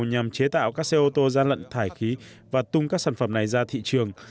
nhằm chế tạo các xe ô tô gian lận thải khí và tung các sản phẩm này ra thị trường